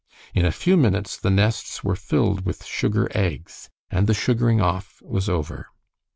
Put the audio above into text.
In a few minutes the nests were filled with sugar eggs, and the sugaring off was over.